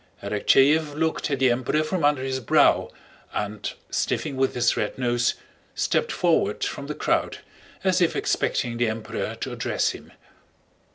Arakchéev looked at the Emperor from under his brow and, sniffing with his red nose, stepped forward from the crowd as if expecting the Emperor to address him.